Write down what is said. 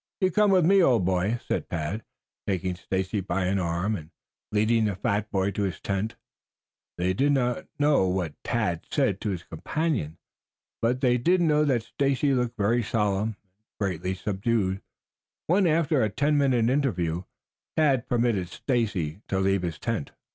"You come with me, old boy," said Tad, taking Stacy by an arm and leading the fat boy to his tent. They did not know what Tad said to his companion, but they did know that Stacy looked very solemn and greatly subdued, when, after a ten minute interview, Tad permitted Stacy to leave the tent.